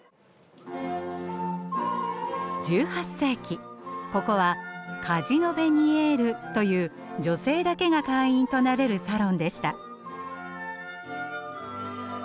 １８世紀ここはカジノ・ヴェニエールという女性だけが会員となれるサロンでした。